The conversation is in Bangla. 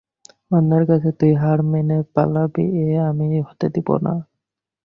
অন্যায়ের কাছে তুই হার মেনে পালাবি এ আমি হতে দেব না।